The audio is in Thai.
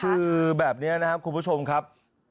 คือแบบนี้นะครับคุณผู้ชมครับ